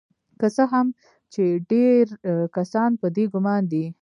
که څه هم چې ډیر کسان په دې ګمان دي